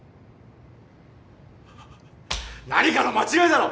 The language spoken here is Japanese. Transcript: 何かの間違いだろ！